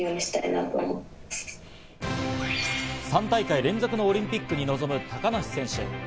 ３大会連続のオリンピックに臨む高梨選手。